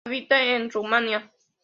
Habita en Rumania.